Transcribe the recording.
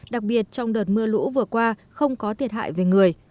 đặc biệt trong đợt mưa lũ vừa qua không có thiệt hại về người